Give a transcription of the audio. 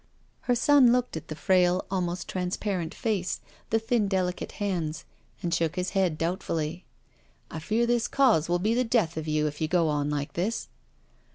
Her son looked at the frail> almost transparent face» the thin delicate hands, and shook his head doubtfully. " I fear this Cause will be the death of you if you go on like this."